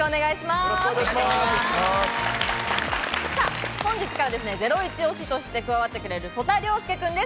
本日からゼロイチ推しとして加わってくれる曽田陵介君です。